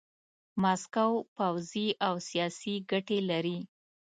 ماسکو پوځي او سیاسي ګټې لري.